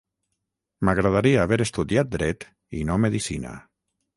M'agradaria haver estudiat dret i no medicina.